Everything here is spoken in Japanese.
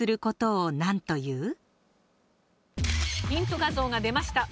ヒント画像が出ました。